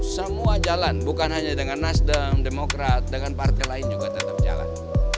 semua jalan bukan hanya dengan nasdem demokrat dengan partai lain juga tetap jalan